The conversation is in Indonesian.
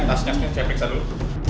tasnya tasnya saya periksa dulu